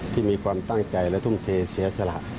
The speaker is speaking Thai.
ที่มีความตั้งใจและทุ่มเทเสียสละ